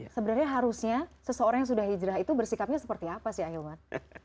sebenarnya harusnya seseorang yang sudah hijrah itu bersikapnya seperti apa sih ahilman